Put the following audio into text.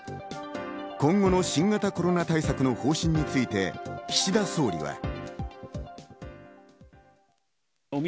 今後の新型コロナ対策の方針について岸田総理は。